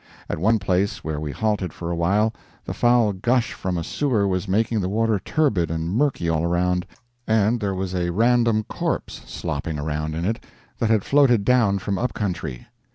At one place where we halted for a while, the foul gush from a sewer was making the water turbid and murky all around, and there was a random corpse slopping around in it that had floated down from up country.